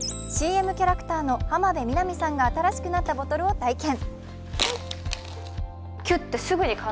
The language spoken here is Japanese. ＣＭキャラクターの浜辺美波さんが新しくなったボトルを体験。